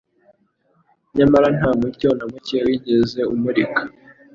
nyamara nta mucyo na muke wigeze umurika